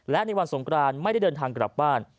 และในวันสงกรานไม่ได้เดินทางกลับบ้าน